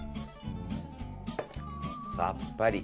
さっぱり。